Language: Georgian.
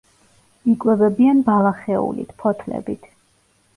იკვებებიან ბალახეულით, ფოთლებით.